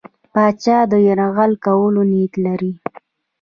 پاچا د یرغل کولو نیت لري.